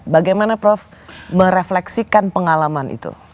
bagaimana prof merefleksikan pengalaman itu